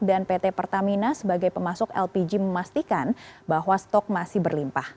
dan pt pertamina sebagai pemasok lpg memastikan bahwa stok masih berlimpah